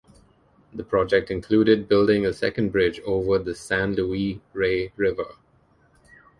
The project included building a second bridge over the San Luis Rey River.